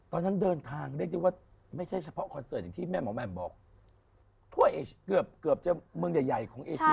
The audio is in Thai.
ตอนนั้นเดินทางไม่ใช่เฉพาะคอนเสิร์ตอย่างที่แม่หมอแมมบอกเกือบเมืองใหญ่ของเอเชีย